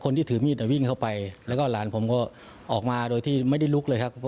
ที่ถือมีดวิ่งเข้าไปแล้วก็หลานผมก็ออกมาโดยที่ไม่ได้ลุกเลยครับ